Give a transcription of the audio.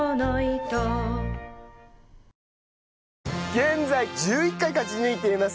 現在１１回勝ち抜いています